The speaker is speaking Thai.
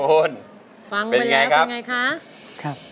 ฟังมาแล้วเป็นอย่างไรคะ